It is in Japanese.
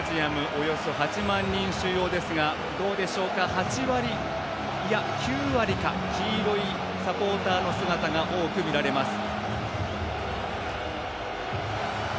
およそ８万人収容ですが８割、９割か黄色いサポーターの姿が多く見られます。